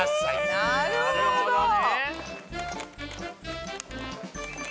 なるほどね。